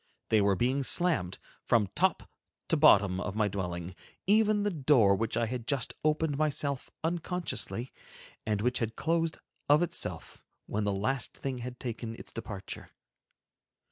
They were being slammed from top to bottom of my dwelling, even the door which I had just opened myself unconsciously, and which had closed of itself, when the last thing had taken its departure.